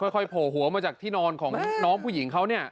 เอ้อค่อยโผล่หัวมาจากที่นอนของน้องฝุ่ยหญิงขาวเนี่ย